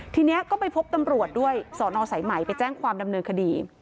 ทีนี้ก็ไปพบตำรวจด้วยสอนอสายไหมไปแจ้งความดำเนินคดี